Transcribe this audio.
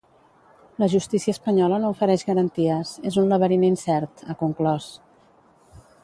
La justícia espanyola no ofereix garanties, és un ‘laberint incert’, ha conclòs.